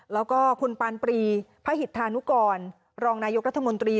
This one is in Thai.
แล้วก็คุณปานปรีพระหิตธานุกรรองนายกรัฐมนตรี